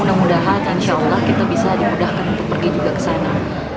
mudah mudahan insya allah kita bisa dimudahkan untuk pergi juga ke sana